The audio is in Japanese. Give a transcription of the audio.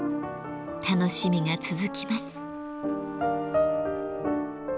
楽しみが続きます。